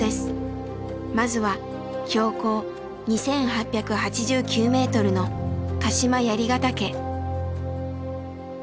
まずは標高２，８８９メートルの鹿島槍ヶ岳。